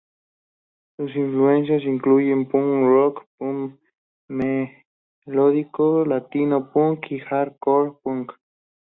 Sus influencias incluyen punk rock, punk melódico, latino punk y hard core punk.